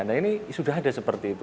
nah ini sudah ada seperti itu